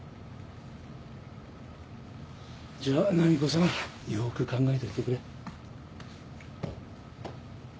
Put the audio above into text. じゃあ波子さんよーく考えといてくれ。